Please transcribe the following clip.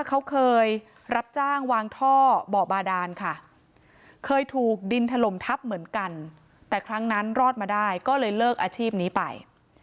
เขาเคยรับจ้างวางท่อบ่อบาดานค่ะเคยถูกดินถล่มทับเหมือนกันแต่ครั้งนั้นรอดมาได้ก็เลยเลิกอาชีพนี้ไป